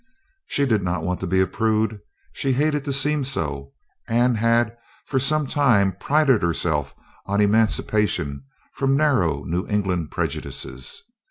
She did not want to be a prude; she hated to seem so, and had for some time prided herself on emancipation from narrow New England prejudices.